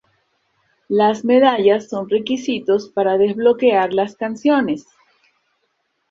Las medallas son requisitos para desbloquear las canciones.